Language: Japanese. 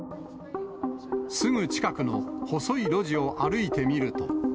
すぐ近くの細い路地を歩いてみると。